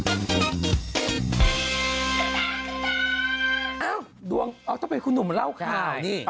เอ้าดวงต้องไปคุณหนุ่มเล่าข่าว